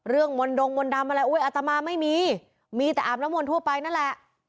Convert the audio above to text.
เรื่องมนดงมนดำอะไรอุ๊ยอาตมาไม่มีมีแต่อาบน้ำมวลทั่วไปนั่นแหละ